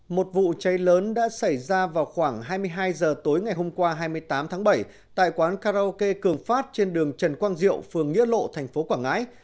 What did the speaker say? một vụ cháy lớn đã xảy ra vào khoảng hai mươi hai h tối ngày hôm qua hai mươi tám tháng bảy tại quán karaoke cường phát trên đường trần quang diệu phường nghĩa lộ thành phố quảng ngãi